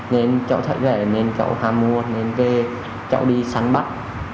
nên cháu thấy rẻ nên cháu hàm mua nên về cháu đi săn bắn